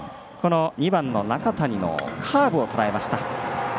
２番の中谷カーブをとらえました。